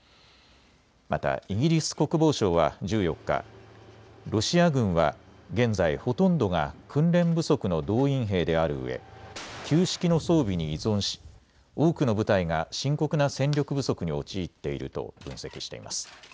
またイギリス国防省は１４日、ロシア軍は現在ほとんどが訓練不足の動員兵であるうえ旧式の装備に依存し多くの部隊が深刻な戦力不足に陥っていると分析しています。